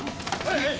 はい！